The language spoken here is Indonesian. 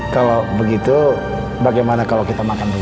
kalau begitu bagaimana kalau kita makan dulu